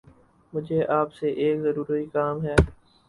مجھے آپ سے ایک ضروری کام ہے